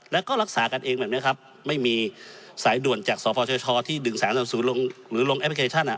แล้วก็รักษากันเองแบบเนี้ยครับไม่มีสายด่วนจากศภชที่ดึงสารสมศูนย์ลงหรือลงแอปพลิเคชันอ่ะ